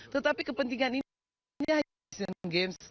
tetapi kepentingan ini hanya di siena games